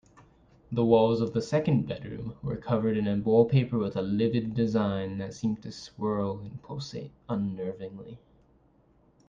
The walls of the second bedroom were covered in a wallpaper with a livid design that seemed to swirl and pulsate unnervingly.